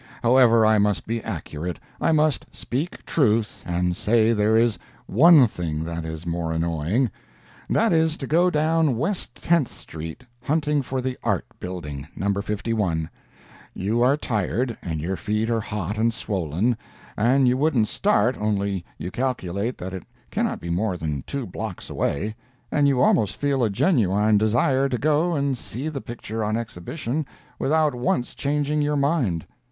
However, I must be accurate—I must speak truth, and say there is one thing that is more annoying. That is to go down West Tenth street hunting for the Art building, No. 51. You are tired, and your feet are hot and swollen, and you wouldn't start, only you calculate that it cannot be more than two blocks away, and you almost feel a genuine desire to go and see the picture on exhibition without once changing your mind.